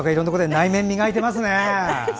内面磨いていますね。